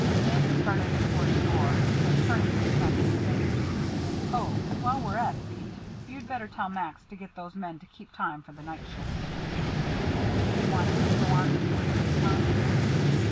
Bannon started toward the door, but turned with a snap of his finger. "Oh, while we're at it, Pete you'd better tell Max to get those men to keep time for the night shifts." "You mean you want him to go on with you in the daytime?"